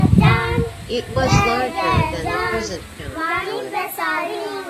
It was larger than the present county, however.